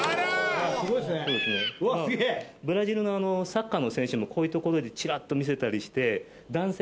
ブラジルのサッカーの選手もこういうところでチラっと見せたりして。